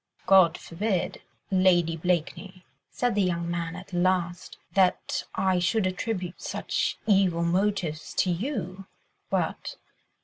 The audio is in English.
"God forbid, Lady Blakeney," said the young man at last, "that I should attribute such evil motives to you, but